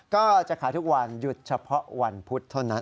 ก็จะขายทุกวันหยุดเฉพาะวันพุธเท่านั้น